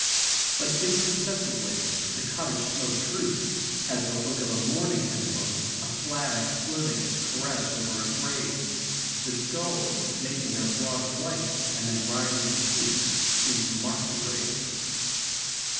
But imperceptibly the cottage smoke droops, has the look of a mourning emblem, a flag floating its caress over a grave. The gulls, making their broad flight and then riding at peace, seem to mark the grave.